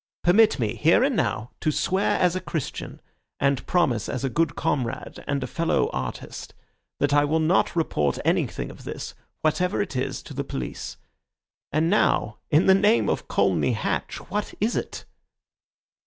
Permit me, here and now, to swear as a Christian, and promise as a good comrade and a fellow artist, that I will not report anything of this, whatever it is, to the police. And now, in the name of Colney Hatch, what is it?"